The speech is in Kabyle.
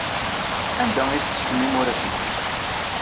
Anda ay tettekkem imuras-nwen?